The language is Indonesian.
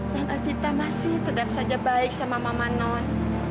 non evita masih tetap saja baik sama mama non